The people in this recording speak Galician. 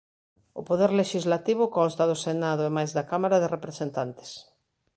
O Poder Lexislativo consta do Senado e mais da Cámara de Representantes.